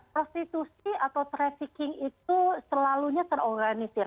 prostitusi atau trafficking itu selalunya terorganisir